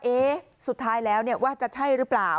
สุดท้ายแล้วว่าจะใช่หรือเปล่า